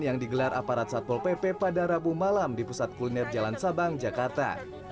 yang digelar aparat satpol pp pada rabu malam di pusat kuliner jalan sabang jakarta